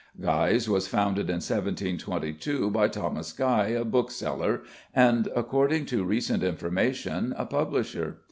Guy's was founded in 1722 by Thomas Guy, a bookseller, and, according to recent information, a publisher.